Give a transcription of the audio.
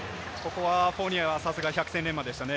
フォーニエはさすが百戦錬磨でしたね。